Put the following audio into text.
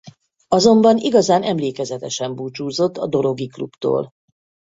Azonban igazán emlékezetesen búcsúzott a dorogi klubtól.